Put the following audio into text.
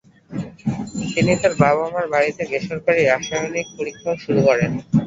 তিনি তাঁর বাবা-মার বাড়িতে বেসরকারী রাসায়নিক পরীক্ষাও শুরু করেন।